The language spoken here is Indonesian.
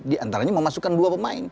di antaranya memasukkan dua pemain